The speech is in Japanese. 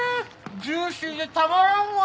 ジューシーでたまらんわ！